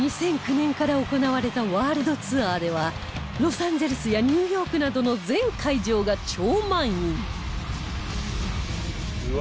２００９年から行われたワールドツアーではロサンゼルスやニューヨークなどの全会場が超満員